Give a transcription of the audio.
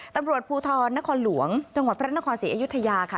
ตำรวจภูทรนครหลวงจังหวัดพระนครศรีอยุธยาค่ะ